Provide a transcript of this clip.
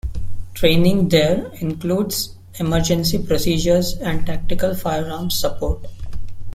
Training there includes emergency procedures and tactical firearms support.